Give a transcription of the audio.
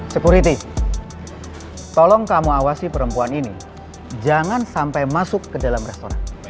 security tolong kamu awasi perempuan ini jangan sampai masuk ke dalam restoran